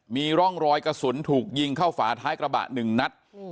มีร่องรอยกระสุนถูกยิงเข้าฝาท้ายกระบะ๑นัด